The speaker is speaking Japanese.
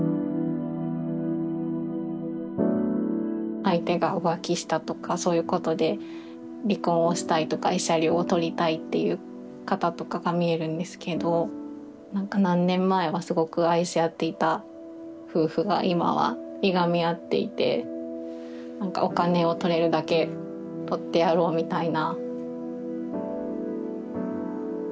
相手が浮気したとかそういうことで離婚をしたいとか慰謝料を取りたいっていう方とかがみえるんですけど何か何年前はすごく愛し合っていた夫婦が今はいがみ合っていて何かお金を取れるだけ取ってやろうみたいな。